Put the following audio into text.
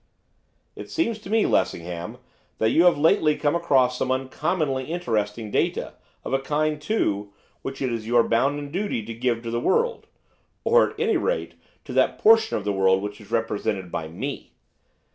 'It seems to me, Lessingham, that you have lately come across some uncommonly interesting data, of a kind, too, which it is your bounden duty to give to the world, or, at any rate, to that portion of the world which is represented by me.